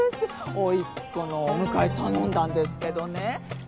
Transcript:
おいっ子のお迎え頼んだんですけどね。